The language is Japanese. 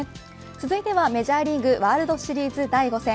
続いてはメジャーリーグワールドシリーズ第５戦。